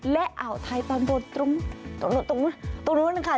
และอ่าวทายตอนบนตรงนู้นนะคะ